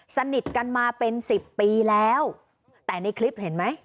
สนิทกันมาเป็นสิบปีแล้วแต่ในคลิปเห็นไหม